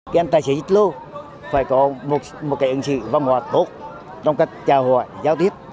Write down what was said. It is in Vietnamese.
các anh tài xế xích lô phải có một kẻ ứng xử văn hóa tốt trong các trào hỏi giao tiếp